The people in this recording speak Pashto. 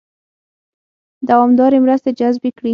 دوامدارې مرستې جذبې کړي.